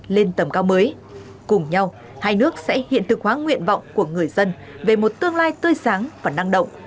lên tầm cao mới cùng nhau hai nước sẽ hiện thực hóa nguyện vọng của người dân về một tương lai tươi sáng và năng động